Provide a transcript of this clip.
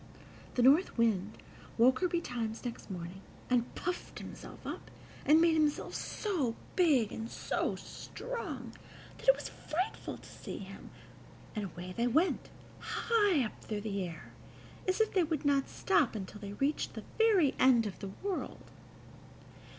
The North Wind woke her betimes next morning, and puffed himself up, and made himself so big and so strong that it was frightful to see him, and away they went, high up through the air, as if they would not stop until they had reached the very end of the world.